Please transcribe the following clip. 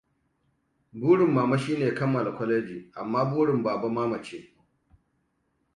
Burin mama shine kammala kwaleji, amma burin baba mama ce.